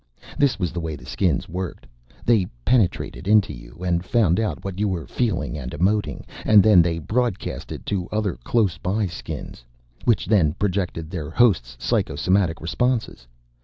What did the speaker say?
This was the way the Skins worked. They penetrated into you and found out what you were feeling and emoting, and then they broadcast it to other closeby Skins, which then projected their hosts' psychosomatic responses.